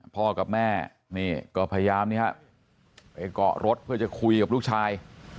พ่อกับแม่นี่ก็พยายามไปเกาะรถเพื่อจะคุยกับลูกชาย